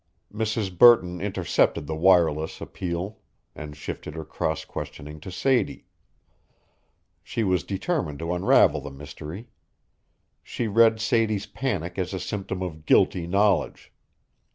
Mrs. Burton intercepted the wireless appeal and shifted her cross questioning to Sadie. She was determined to unravel the mystery. She read Sadie's panic as a symptom of guilty knowledge.